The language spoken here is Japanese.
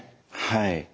はい。